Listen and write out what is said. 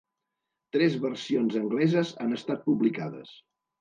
Tres versions angleses han estat publicades.